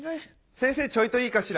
先生ちょいといいかしら？